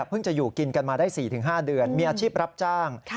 จะอยู่กินกันมาได้๔๕เดือนมีอาชีพรับจ้าง